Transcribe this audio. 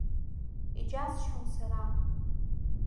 Иџьасшьон сара.